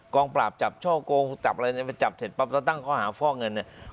งปราบจับช่อโกงจับอะไรไปจับเสร็จปั๊บแล้วตั้งข้อหาฟอกเงินเนี่ย